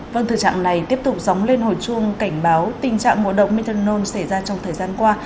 vâng thực trạng này tiếp tục sóng lên hồi chuông cảnh báo tình trạng ngộ độc methanol xảy ra trong thời gian qua